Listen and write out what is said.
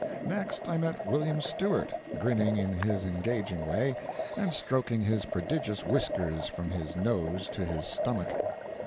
Next I met William Stewart, grinning in his engaging way, and stroking his prodigious whiskers from his nose to his stomach.